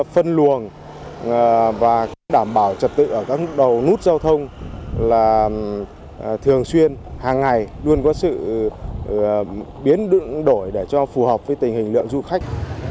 phân luồng và đảm bảo trật tự ở các đầu nút giao thông là thường xuyên hàng ngày luôn có sự biến đựng đổi để cho phù hợp với tình hình lượng du khách